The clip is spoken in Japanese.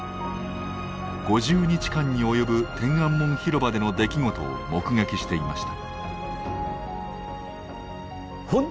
５０日間に及ぶ天安門広場での出来事を目撃していました。